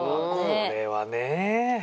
これはねえ。